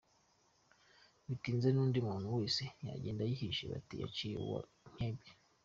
Bitinze n’undi muntu wese yagenda yihishe, bati "Yaciye uwa Nkebya.